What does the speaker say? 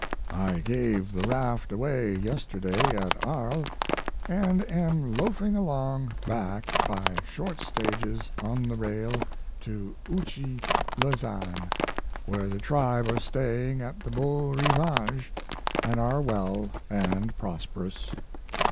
I gave the raft away yesterday at Arles & am loafing along back by short stages on the rail to Ouchy, Lausanne, where the tribe are staying at the Beau Rivage and are well and prosperous.